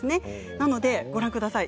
なのでご覧ください。